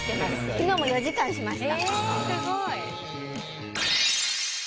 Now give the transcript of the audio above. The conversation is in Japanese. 昨日も４時間しました。